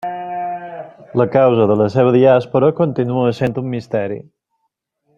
La causa de la seva diàspora continua essent un misteri.